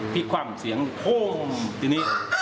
ที่ขวั่งเสียงท้มทีนี้